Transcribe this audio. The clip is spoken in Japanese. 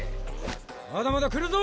まだまだ来るぞ！